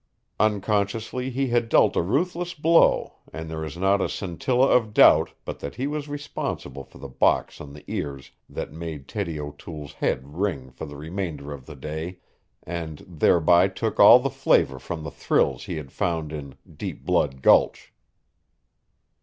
Unconsciously he had dealt a ruthless blow and there is not a scintilla of doubt but that he was responsible for the box on the ears that made Teddie O'Toole's head ring for the remainder of the day and thereby took all the flavor from the thrills he had found in "Deep Blood Gulch."